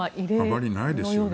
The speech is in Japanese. あまりないですよね。